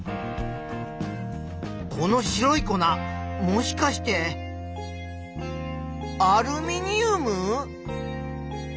この白い粉もしかしてアルミニウム？